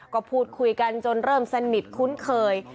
ก็พูดคุยกันจนเริ่มสนิทคุ้นเคย